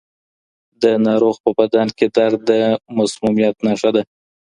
د ناروغ په بدن کې درد د مسمومیت نښه ده.